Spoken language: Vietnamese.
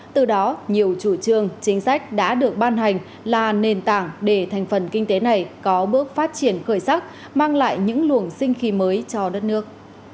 từ đó nhiều chủ trương chính sách đã được ban hành là nền tảng để thành phần kinh tế này có bước phát triển khởi sắc mang lại những luồng sinh khí mới cho đất nước